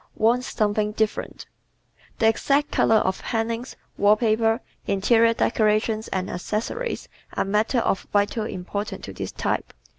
Wants "Something Different" ¶ The exact color of hangings, wall paper, interior decorations and accessories are matters of vital import to this type.